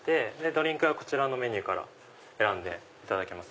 ドリンクがこちらのメニューから選んでいただけます。